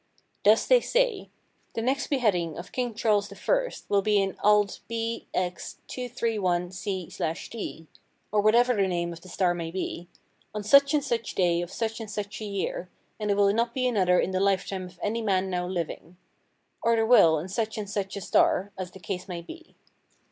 Thus they say, "The next beheading of King Charles I will be in Ald. b. x. 231c/d"—or whatever the name of the star may be—"on such and such a day of such and such a year, and there will not be another in the lifetime of any man now living," or there will, in such and such a star, as the case may be.